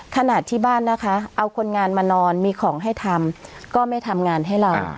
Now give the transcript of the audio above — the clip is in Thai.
ขนาดที่บ้านนะคะเอาคนงานมานอนมีของให้ทำก็ไม่ทำงานให้เรา